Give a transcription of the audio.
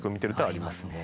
ありますね。